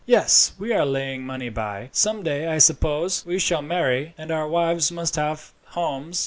"Yes; we are laying money by. Some day, I suppose, we shall marry, and our wives must have homes.